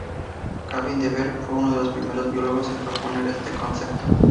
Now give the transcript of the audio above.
Gavin de Beer fue uno de los primeros biólogos en proponer este concepto.